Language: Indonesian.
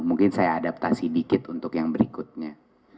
mungkin saya adaptasi dikit untuk yang berikutnya